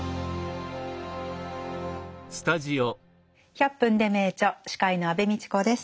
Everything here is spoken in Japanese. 「１００分ｄｅ名著」司会の安部みちこです。